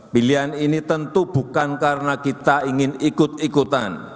pilihan ini tentu bukan karena kita ingin ikut ikutan